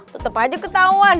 tetep aja ketauan